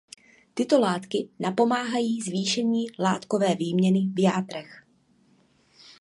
Tyto látky napomáhají zvýšení látkové výměny v játrech.